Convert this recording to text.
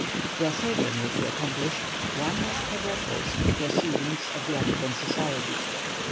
To ascertain what he accomplished, one must have recourse to the Proceedings of the African Society.